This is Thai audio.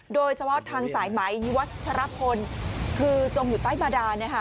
โดยเฉพาะทางสายไม้วัชฌาพนธุ์คือจงอยู่ใต้บรรดาเนี่ยค่ะ